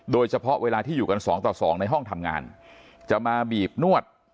เวลาที่อยู่กันสองต่อสองในห้องทำงานจะมาบีบนวด